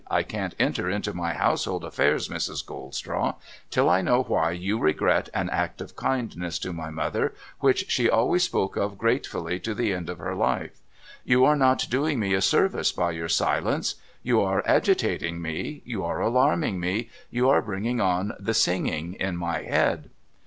I can't enter into my household affairs, Mrs. Goldstraw, till I know why you regret an act of kindness to my mother, which she always spoke of gratefully to the end of her life. You are not doing me a service by your silence. You are agitating me, you are alarming me, you are bringing on the singing in my head.'